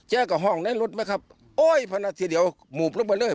กับห้องในรถไหมครับโอ้ยพอนาทีเดียวหมูบลงไปเลย